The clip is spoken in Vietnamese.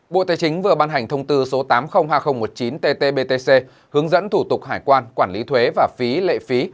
bộ tài chính vừa ban hành thông tư số tám trăm linh hai nghìn một mươi chín ttbtc hướng dẫn thủ tục hải quan quản lý thuế và phí lệ phí